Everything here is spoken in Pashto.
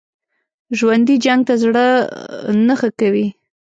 ژوندي جنګ ته زړه نه ښه کوي